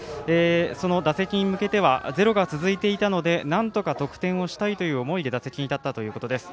その打席に向けてはゼロが続いていたのでなんとか得点をしたいという思いで打席に立ったということです。